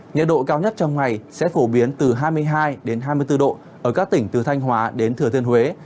nhật độ cao nhất trong ngày sẽ phổ biến từ hai mươi hai hai mươi bốn độ ở các tỉnh từ thanh hóa đến thừa thiên huế